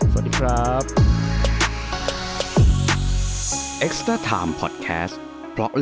สวัสดีครับ